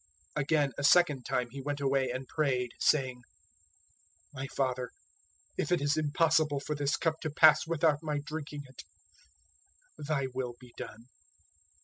026:042 Again a second time He went away and prayed, saying, "My Father, if it is impossible for this cup to pass without my drinking it, Thy will be done."